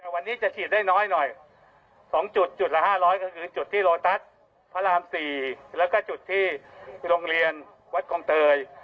วันนี้จะฉีดได้น้อยหน่อย๒จุดจุดละ๕๐๐ก็คือจุดที่โลตัสพระราม๔แล้วก็จุดที่โรงเรียนวัดคลองเตย